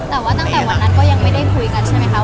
แต่ว่าตั้งแต่วันนั้นก็ยังไม่ได้คุยกันใช่ไหมคะ